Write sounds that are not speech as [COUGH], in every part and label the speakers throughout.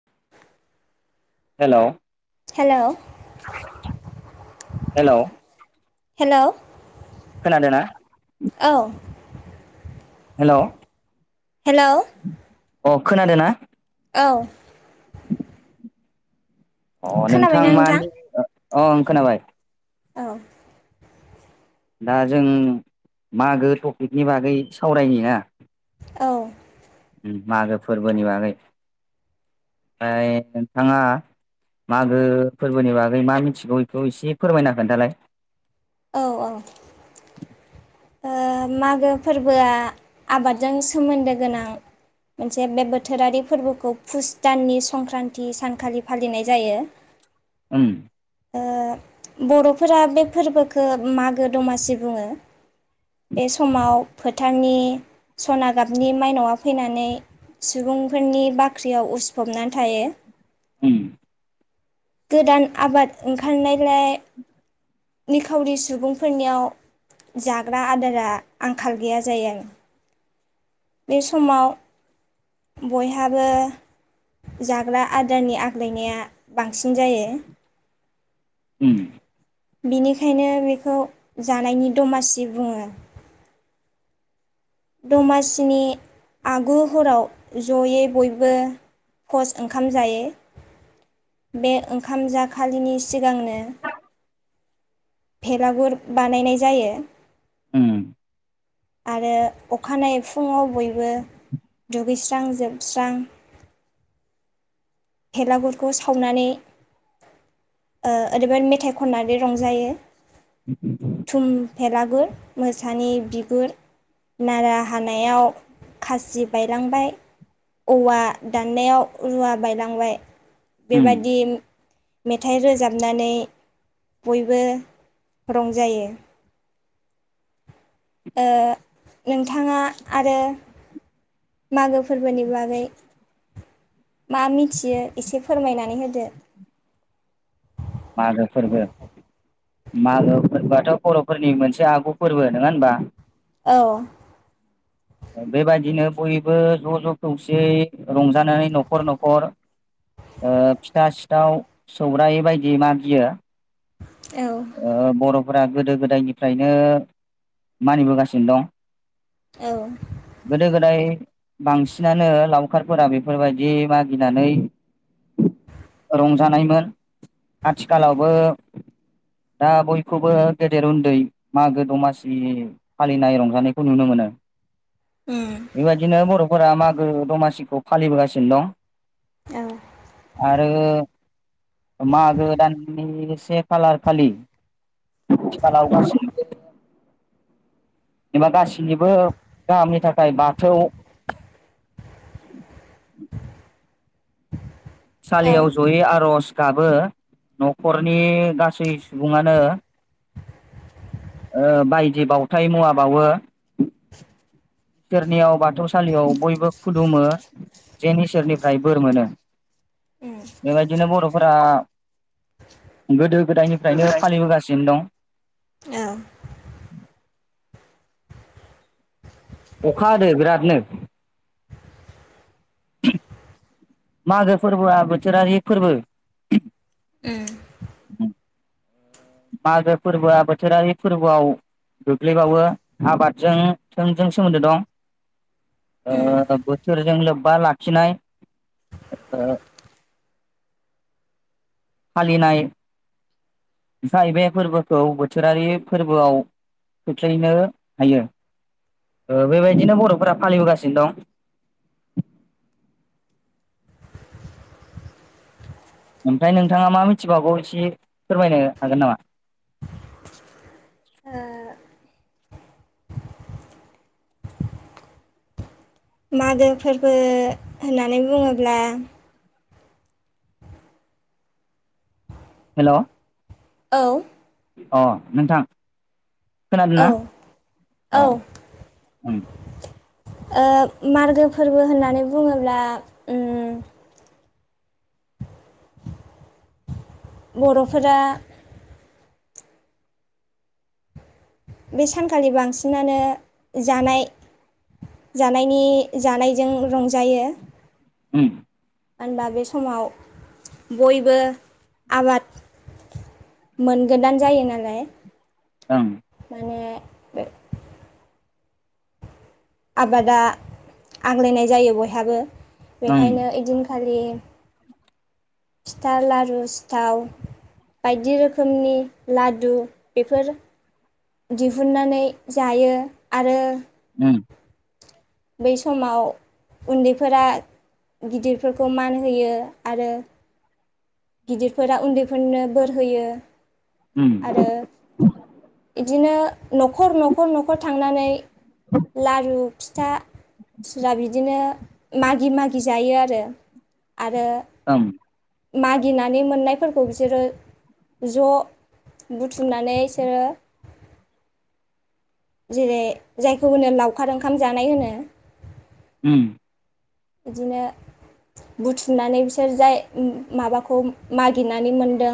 Speaker 1: [INAUDIBLE]
Speaker 2: हेल'
Speaker 1: hello
Speaker 2: hello
Speaker 1: hello
Speaker 2: खोनादो ना hello
Speaker 1: hello
Speaker 2: अ खोनादोना
Speaker 1: औ
Speaker 2: अ नोंथां मानि अ आं खोनाबाय
Speaker 1: औ
Speaker 2: दा जों मागो टपिकनि बागै सावरायनि हा
Speaker 1: औ
Speaker 2: मागो फोरबोनि बागै ओमफ्राय नोंथाङा मागो फोरबोनि बागै मा मिथिगौ बेखौ एसे फोरमायना खोन्था लाय
Speaker 1: औ ओ मागो फोरबोआ आबादजों सोमोन्दो गोनां मोनसे बे बोथोरारि फोरबोखौ फुस दाननि संक्रान्ति सानखालि फालिनाय जायो
Speaker 2: ओं
Speaker 1: बर'फोरा बे फोरबोखौ मागो दमासि बुङो बे समाव फोथारनि सना गाबनि माइनावआ फैनानै सुबुंफोरनि बाख्रियाव उसफबनानै थायो
Speaker 2: उम
Speaker 1: गोदान आबाद ओंखारनायलाय निखावरि सुबुंफोरनियाव जाग्रा आदारा आंखाल गैया जायो बे समाव बयहाबो जाग्रा आदारनि आग्लायनाया बांसिन जायो
Speaker 2: उ
Speaker 1: बिनिखायनो बेखौ जानायनि दमासि बुङो दमासिनि आगु हराव जयै बयबो कस ओंखाम जायो बे ओंखाम जाखालिनि सिगांनो भेलागुर बानायनाय जायो
Speaker 2: उम
Speaker 1: आरो अखानायै फुङाव बयबो दुगैस्रां जोबस्रां
Speaker 2: [UNINTELLIGIBLE]
Speaker 1: भेलागुरखौ सावनानै ओरैबादि मेथाइ खननानै रंजायो थुम भेलागुर मोसानि बिगुर नारा हानायाव खासि बायलांबाय औवा दाननायाव रुवा बायलांबाय
Speaker 2: उम
Speaker 1: बेबादि मेथाइ रोजाबनानै बयबो रंजायो नोंथाङा आरो मागो फोरबोनि बागै मा मिथियो एसे फोरमायनानै होदो
Speaker 2: मागो फोरबो मालो फोरबोआथ' बर'फोरनि मोनसे आगु फोरबो नङा होनबा
Speaker 1: औ
Speaker 2: बेबायदिनो बयबो ज' ज' खौसेयै रंजानाय न'खर न'खर फिथा सिथाव सौराइ बायदि मा बियो
Speaker 1: औ
Speaker 2: आ बर' गोदो गोदायनिफ्रायनो मानिबोगासिनो दं
Speaker 1: औ
Speaker 2: गोदो गोदाय बांसिनानो लाव खारफोरा बेफोरबायदि मागिनानै रंजानायमोन आथिखालावबो दा बयखौबो गेदेर उन्दै मागो दमासि फालिनाय रंजानायखौ नुनो मोनो
Speaker 1: उम
Speaker 2: बेबायदिनो बर'फोरा मागो दमासिखौ फालिबोगासिनो दं
Speaker 1: औ
Speaker 2: आरो मागो दाननि से खालार खालि सानाव एबा गासैनिबो गाहामनि थाखाय बाथौ [INAUDIBLE]
Speaker 1: औ
Speaker 2: सालियाव जयो आरज गाबो नखरनि गासै सुबुङानो बायदि बावउथाय मुवा बावो सोरनियाव बाथौसालियाव बयबो खुलुमो जे इसोरनिफ्राय बोर मोनो
Speaker 1: उम
Speaker 2: बेबायदिनो बरफोरा गोदो गोदायनिफ्रायनो फालिबोगासिनो दं
Speaker 1: औ
Speaker 2: अखा हादो बिरादनो मागो फोरबोआ बोथोरारि फोरबो
Speaker 1: उम
Speaker 2: [INAUDIBLE] मागो फोरबोआ बोथोरारि फोरबोआव गोग्लैबावो आबादजों थोंजों सोमोन्दो दं
Speaker 1: उम
Speaker 2: आ बोथोरजों लोब्बा बा लाखिनाय फालिनाय जाहैबाय बे फोरबोखौ बोथोरारि फोरबोआव खोख्लैनो हायो बेबायदिनो बरफोरा फालिबोगासिनो दं ओमफ्राय नोंथाङा मा मिथिबावागौ एसे फोरमायनो हागोन नामा
Speaker 1: ओ मागो फोरबो होननानै बुङोब्ला
Speaker 2: हेल
Speaker 1: औ
Speaker 2: अ नोंथां
Speaker 1: औ
Speaker 2: खोनादों
Speaker 1: औ
Speaker 2: अ ओ
Speaker 1: ओ मागो फोरबो होननानै बुङोब्ला ओ बरफोरा बे सानखालि बांसिनानो जानाय जानायनि जानायजों रंजायो
Speaker 2: ओ
Speaker 1: होनबा बे समाव बयबो आबाद मोनगोदान जायो नालाय
Speaker 2: ओं
Speaker 1: माने बे आबादा आग्लायनाय जायो बयहाबो
Speaker 2: ओं
Speaker 1: बेखायनो बिदिनो खालि लि फिथा लारु सिथाव बायदि रोखोमनि लादु बेफोर दिहुननानै जायो आरो
Speaker 2: ओं
Speaker 1: बै समाव उन्दैफोरा गिदिरफोरखौ मान होयो आरो गिदिरफोरा उन्दैफोरनो बोर होयो
Speaker 2: ओम ओं
Speaker 1: आरो बिदिनो नखर नखर नखर थांनानै लारु फिथा सा बिदिनो मागि मागि जायो आरो आरो
Speaker 2: ओम
Speaker 1: मागिनानै मोननायफोरखौ बिसोरो ज बुथुमनानै बिसोरो
Speaker 2: [INAUDIBLE]
Speaker 1: जेरै जायखौ होनो लावखार ओंखाम जानाय होनो
Speaker 2: उ
Speaker 1: बिदिनो बुथुमनानै बिसोर जाय माबाखौ मागिनानै मोनदों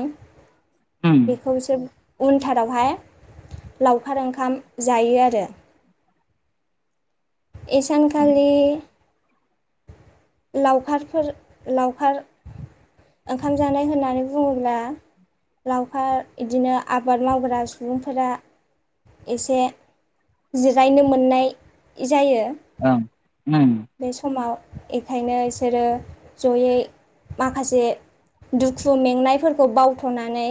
Speaker 2: ओम
Speaker 1: बेखौ बिसोर उनथारावहाय लावखार ओंखाम जायो आरो इसानखालि लावखारफोर लावखार ओंखाम जानाय होननानै बुङोब्ला लावखार इदिनो आबाद मावग्रा सुबुंफोरा एसे जिरायनो मोननाय जायो
Speaker 2: ओं ओम
Speaker 1: बे समाव एखायनो इसोरो जयै माखासे दुखु मेंनायफोरखौ बावथ'नानै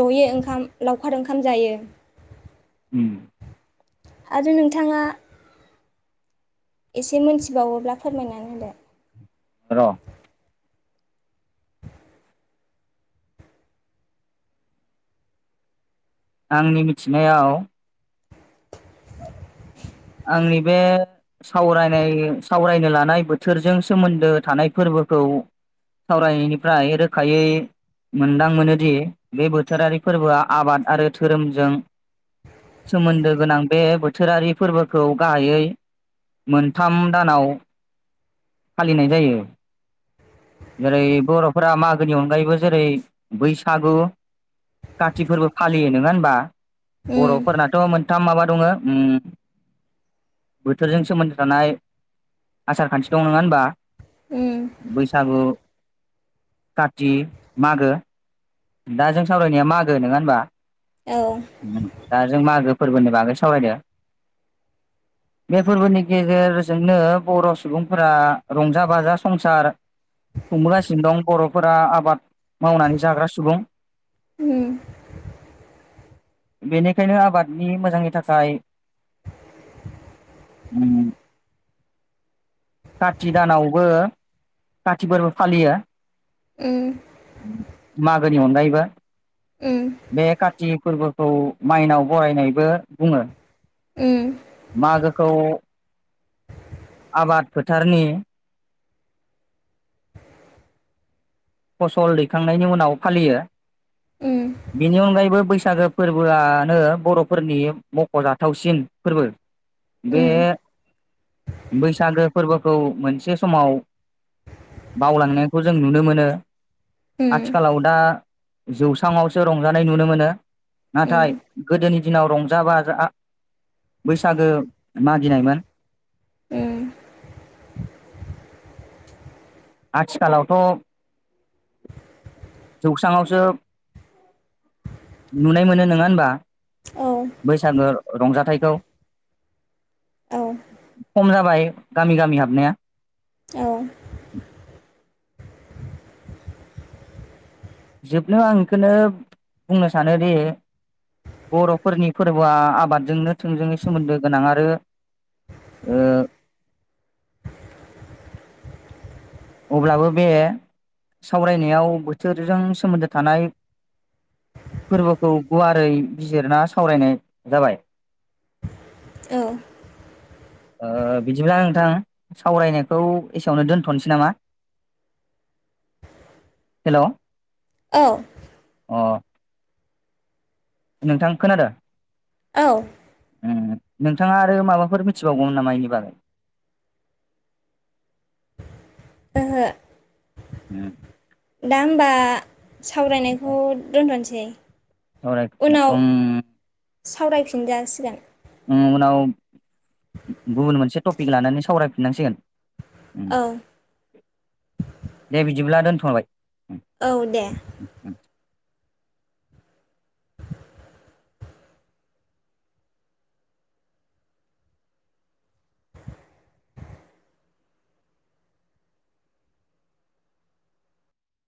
Speaker 1: जयै ओंखाम लावखार ओंखाम जायो
Speaker 2: उम
Speaker 1: आरो नोंथाङा एसे मोनथिबावोब्ला फोरमायनानै होदो
Speaker 2: र' आंनि मिथिनायाव आंनि बे सावरायनाय सावरायनो लानाय बोथोरजों सोमोन्दो थानाय फोरबोखौ सावरायनायनिफ्राय रोखायै मोनदां मोनोदि बे बोथोरारि फोरबोआ आबाद आरो धोरोमजों सोमोन्दो गोनां बे बोथोरारि फोरबोखौ गाहायै मोनथाम दानाव फालिनाय जायो जेरै बर'फोरा मागोनि अनगायैबो जेरै बैसागु काति फोरबो फालियो नङा होनबा
Speaker 1: होदो उम
Speaker 2: बर'फोरनाथ' मोनथाम माबा दङो उम बोथोरजों सोमोन्दो थानाय आसार खान्थि दं नङा होनबा
Speaker 1: उम
Speaker 2: बैसागु काथि मागो दा जों सावरायनाया मागो नङा होनबा
Speaker 1: औ
Speaker 2: दा जों मागो फोरबोनि बागै सावरायदो बे फोरबोनि गेजेरजोंनो बर' सुबुंफोरा रंजा बाजा संसार खुंबोगासिनो दं बर'फोरा आबाद मावनानै जाग्रा सुबुं
Speaker 1: उम
Speaker 2: बेनिखायनो आबादनि मोजांनि थाखाय उम काति दानावबो काति फोरबो फालियो
Speaker 1: ओ
Speaker 2: मागोनि अनगायैबो
Speaker 1: उम
Speaker 2: बे काति फोरबो खौ माइनाव बरायनायबो बुङो
Speaker 1: उम
Speaker 2: मागोखौ आबाद फोथारनि फसल दैखांनायनि उनाव फालियो
Speaker 1: उम
Speaker 2: बेनि अनगायैबो बैस सागो फोरबोआनो बर'फोरनि मख'जाथावसिन फोरबो बे
Speaker 1: उम
Speaker 2: बैसागो फोरबोखौ मोनसे समाव बावलांनायखौ जों नुनो मोनो
Speaker 1: उम
Speaker 2: आथिखालाव दा जौस्रांआवसो रंजानाय नुनो मोनो
Speaker 1: उम
Speaker 2: नाथाय गोदोनि दिनाव रंजा बाजा बैसागो मागिनायमोन
Speaker 1: ए
Speaker 2: आथिखालावथ' जौस्राङावसो नुनाय मोनो नोङा होनबा
Speaker 1: औ
Speaker 2: बैसागो रंजाथाइखौ
Speaker 1: औ
Speaker 2: खम जाबाय गामि गामि हाबनाया
Speaker 1: औ
Speaker 2: जोबनो आं इखोनो बुंनो सानोदि बर'फोरनि फोरबोआ आबादजोंनो थोंजोङै सोमोन्दो गोनां आरो ओ अब्लाबो बे सावरायनायाव बोथोरजों सोमोन्दो थानाय फोरबोखौ गुवारै बिजिरना सावरायनाय जाबाय
Speaker 1: औ
Speaker 2: ओ बिदिब्ला नोंथां सावरायनायखौ एसेयावनो दोनथ'नोसै नामा हेल'
Speaker 1: औ
Speaker 2: अ नोंथां खोनादों?
Speaker 1: औ
Speaker 2: उ नोंथाङा आरो माबाफोर मिथिबावगौमोन नामा इनि बागै [UNINTELLIGIBLE]
Speaker 1: आङो
Speaker 2: उम
Speaker 1: दा होमबा सावरायनायखौ दोनथ'नोसै। उनाव
Speaker 2: [UNINTELLIGIBLE]
Speaker 1: सावरायफिनजासिगोन
Speaker 2: उम उनाव गुबुन मोनसे टपिक लानानै सावरायफिननांसिगोन
Speaker 1: औ
Speaker 2: दे बिदिब्ला दोनथ'बाय।
Speaker 1: औ दे।